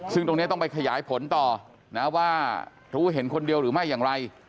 ซึ่งตรงนี้ต้องไปขยายผลต่อนะว่ารู้เห็นคนเดียวหรือไม่อย่างไร